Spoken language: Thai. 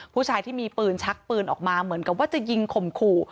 ผู้ชายที่มีปืนชักปืนออกมาเหมือนกับว่าจะยิงข่มขู่